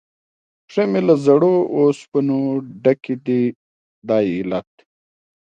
پښې مې له زړو اوسپنو ډکې دي، دا یې علت دی.